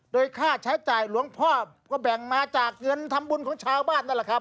โดยค่าใช้จ่ายหลวงพ่อก็แบ่งมาจากเงินทำบุญของชาวบ้านนั่นแหละครับ